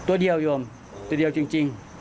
ตัวเดียวโยมตัวเดียวจริง